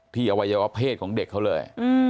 อวัยวะเพศของเด็กเขาเลย